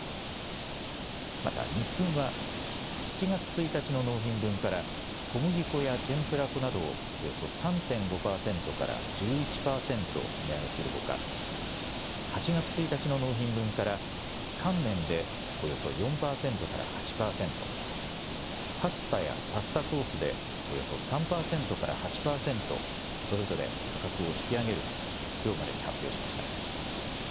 またニップンは７月１日の納品分から小麦粉や天ぷら粉などをおよそ３．５％から１１％値上げするほか８月１日の納品分から乾麺でおよそ４％から８％、パスタやパスタソースでおよそ３％から８％それぞれ価格を引き上げるときょうまでに発表しました。